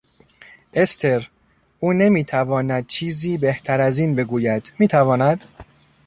استر، او نمیتواند چیزی بهتر از این بگوید، میتواند؟